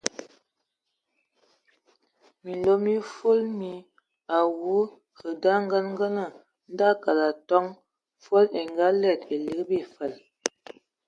Minlo mi fol mi awu hm angəngəmə da akalɛn atɔm, fol e ngalɛdə e ligi bifəl.